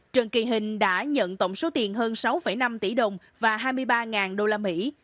trần kỳ hình đã nhận tổng số tiền hơn sáu năm tỷ đồng và hai mươi ba đô la mỹ